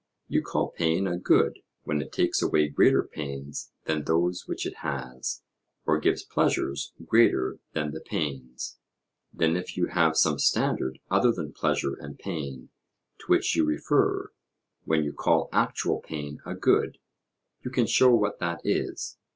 You call pain a good when it takes away greater pains than those which it has, or gives pleasures greater than the pains: then if you have some standard other than pleasure and pain to which you refer when you call actual pain a good, you can show what that is.